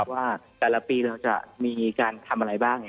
ว่าแต่ละปีเราจะมีการทำอะไรบ้าง